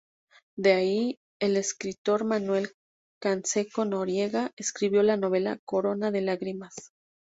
De ahí el escritor Manuel Canseco Noriega escribió la novela "Corona de lágrimas".